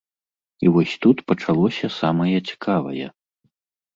І вось тут пачалося самае цікавае.